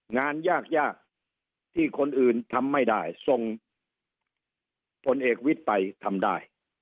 งานยากยากที่คนอื่นทำไม่ได้ส่งผลเอกวิทย์ไปทำได้